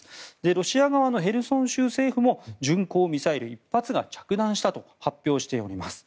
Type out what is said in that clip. ロシア側のヘルソン州政府も巡航ミサイル１発が着弾したと発表しております。